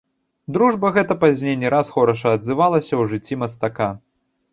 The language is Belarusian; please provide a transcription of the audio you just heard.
Дружба гэта пазней не раз хораша адзывалася ў жыцці мастака.